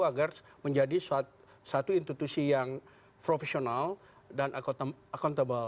agar menjadi satu institusi yang profesional dan accountable